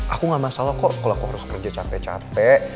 aku gak masalah kok kalau aku harus kerja capek capek